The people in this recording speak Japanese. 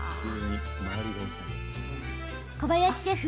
小林シェフ